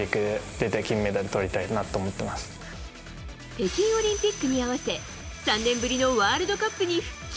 北京オリンピックに合わせ３年ぶりのワールドカップに復帰。